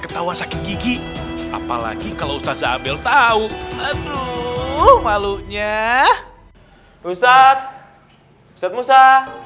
ketawa sakit gigi apalagi kalau ustadz sabil tahu aduh malunya ustadz ustadz